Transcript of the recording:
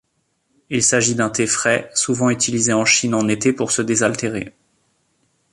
Il s'agit d'un thé frais souvent utilisé en Chine en été pour se désaltérer.